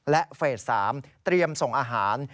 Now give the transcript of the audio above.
และเฟส๓เตรียมส่งอาหาร